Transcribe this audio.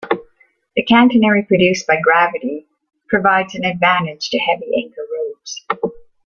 The catenary produced by gravity provides an advantage to heavy anchor rodes.